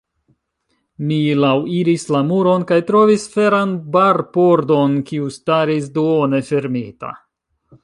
Mi laŭiris la muron kaj trovis feran barpordon, kiu staris duone fermita.